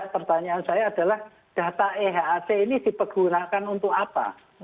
pertanyaan saya adalah data ehac ini dipergunakan untuk apa